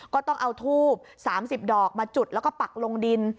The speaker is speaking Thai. ก็ต้องเอาทูบ๓๐ดอกมาจุดแล้วก็ปักลงดิน